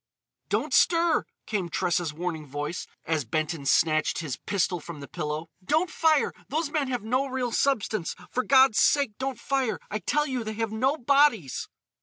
"Don't stir!" came Tressa's warning voice, as Benton snatched his pistol from the pillow. "Don't fire! Those men have no real substance! For God's sake don't fire! I tell you they have no bodies!"